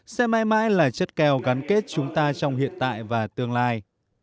sẽ mãi mãi là chất kèo gắn kết chúng ta trong hiện tại và tương lai